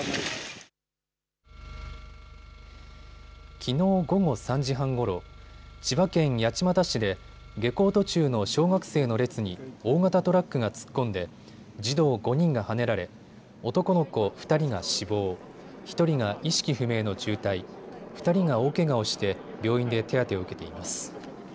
きのう午後３時半ごろ、千葉県八街市で下校途中の小学生の列に大型トラックが突っ込んで児童５人がはねられ男の子２人が死亡、１人が意識不明の重体、２人が大けがをして病院で手当てを受けています。